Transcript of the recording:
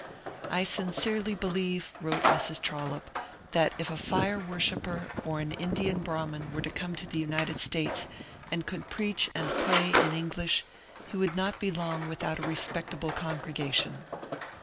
I sincerely believe," wrote Mrs. TroUope, ^' that if a fire worshipper or an Indian Brahmin were to come to the United States, and could preach and pray in English, he would not be long without a respect able congregation."